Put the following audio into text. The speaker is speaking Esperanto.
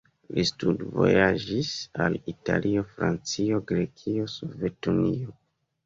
Li studvojaĝis al Italio, Francio, Grekio, Sovetunio.